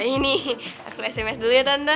ini aku sms dulu ya tante